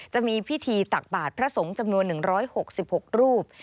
จะมีพิธีตักบาทพระสงฆ์จำนวน๑๖๖รูป